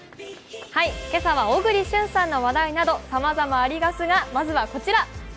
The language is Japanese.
今朝は小栗旬さんの話題などさまざまありますが、まずはこちら。